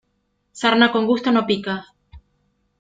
Sarna con gusto, no pica.